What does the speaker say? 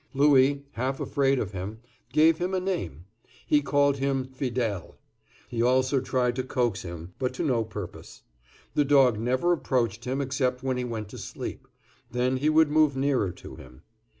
Louis, half afraid of him, gave him a name; he called him Fidele. He also tried to coax him, but to no purpose. The dog never approached him except when he went to sleep; then he would move nearer to him.